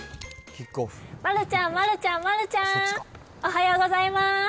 丸ちゃん、丸ちゃん、丸ちゃん、おはようございます。